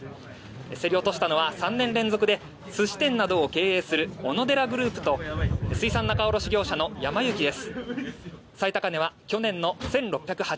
競り落としたのは３年連続で寿司店などを経営するオノデラグループと水産仲卸業者のやま幸です。